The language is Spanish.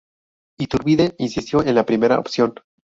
Iturbide insistió en la primera opción.